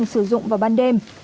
nổ vào ban đêm